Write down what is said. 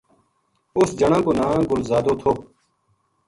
اس جنا کو ناں گل زادو تھو